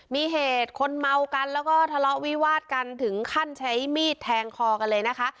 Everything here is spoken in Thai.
มีเหตุคนเมากันแล้วก็ทะเลาะวิวาดกันถึงขั้นใช้มีดแทงคอกันเลยนะคะ